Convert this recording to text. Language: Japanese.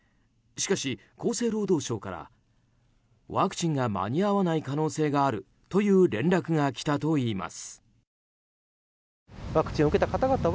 しかし、厚生労働省からワクチンが間に合わない可能性があるとの連絡が来たといいます。